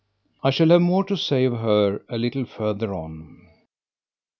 I shall have more to say of her a little further on.